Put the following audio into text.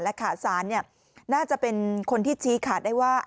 และขาดสารน่าจะเป็นคนที่ชี้ขาดได้ว่า